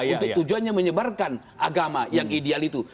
untuk tujuannya menyebarkan agama yang ideal itu